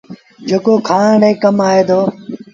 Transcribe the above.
جيڪو کآڻ ري ڪم آئي دو۔